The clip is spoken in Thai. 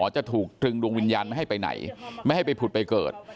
จะถูกตรึงดวงวิญญาณไม่ให้ไปไหนไม่ให้ไปผุดไปเกิด